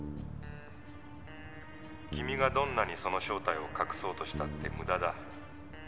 「君がどんなにその正体を隠そうとしたってムダだ」